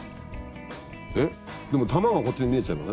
えっでも玉がこっちに見えちゃいません？